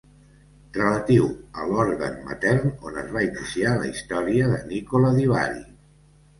Relatiu a l'òrgan matern on es va iniciar la història de Nicola di Bari.